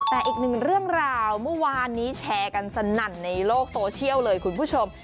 แต่อีกหนึ่งเรื่องราวเมื่อวานนี้แชร์กันสนั่นในโลกโซเชียลเลยคุณผู้ชม